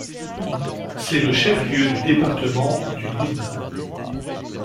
C'est le chef-lieu du département du Noun.